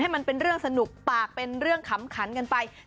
มันเป็นเรื่องสนุกปากเป็นเรื่องขำขันกันไป